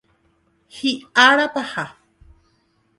Hi'ára paha.